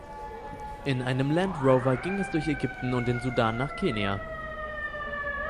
In einem Land Rover ging es durch Ägypten und den Sudan nach Kenia.